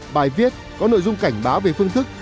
bài viết có nội dung cảnh báo về phương thức